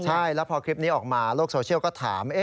ใช่แล้วพอคลิปนี้ออกมาโลกโซเชียลก็ถาม